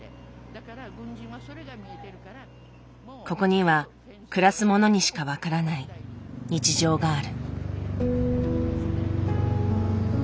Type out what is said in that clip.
ここには暮らす者にしか分からない日常がある。